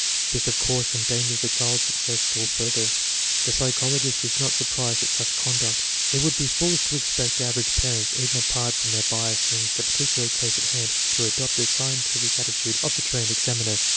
This, of course> endangers the child's success still further. The psychologist is not surprised at such conduct. It would be foolish to expect average parents, even apart from their bias in the particular case at hand, to adopt the scientific attitude of the trained examiner.